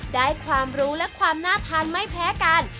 ได้ความรู้และความน่าทานไม่แพ้กัน